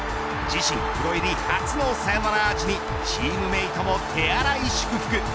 自身プロ入り初のサヨナラアーチにチームメートも手荒い祝福。